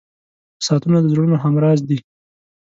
• ساعتونه د زړونو همراز دي.